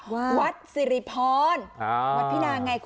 วัดสิริพรวัดพินางไงคุณ